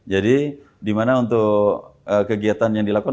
jadi di mana untuk kegiatan yang dilakukan